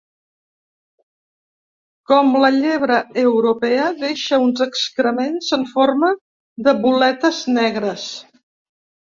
Com la llebre europea, deixa uns excrements en forma de boletes negres.